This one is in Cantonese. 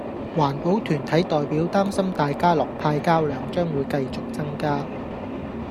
環保團體代表擔心大家樂派膠量將會繼續增加